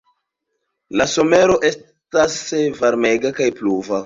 La somero estas varmega kaj pluva.